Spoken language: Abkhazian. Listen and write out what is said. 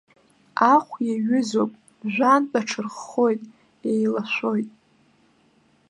Ахә иҩызоуп, жәантә аҽарххоит, еилашәоит.